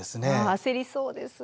焦りそうです。